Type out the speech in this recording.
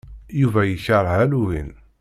Yuba yekṛeh Halloween.